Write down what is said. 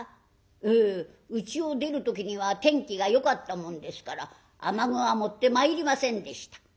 「ええうちを出る時には天気がよかったもんですから雨具は持ってまいりませんでした」。